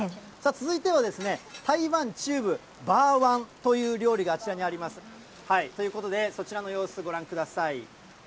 続いては台湾中部、バーワンという料理があちらにあります。ということで、そちらの様子、ご覧ください。